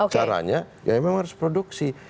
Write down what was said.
caranya ya memang harus produksi